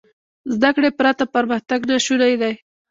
زده کړې پرته پرمختګ ناشونی دی.